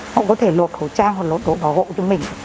họ có thể luộc khẩu trang hoặc luộc đồ bảo hộ cho mình